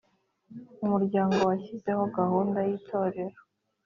umuryango washyizeho gahunda yitorero